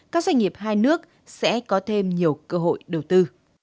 các doanh nghiệp hai nước sẽ có thêm nhiều cơ hội đầu tư